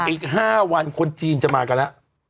อีก๕วันคนจีนจะมากันแล้ว